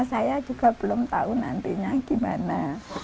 saya juga belum tahu nantinya gimana